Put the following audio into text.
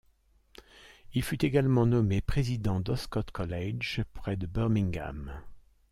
Il fut également nommé président d'Oscott College, près de Birmingham.